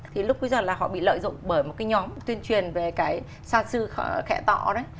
thì lúc cuối dần là họ bị lợi dụng bởi một cái nhóm tuyên truyền về cái san sư khẽ tọ đấy